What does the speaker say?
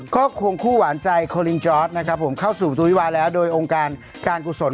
ก็ควงคู่หวานใจโคลินจอร์ดนะครับผมเข้าสู่ประตูวิวาแล้วโดยองค์การการกุศล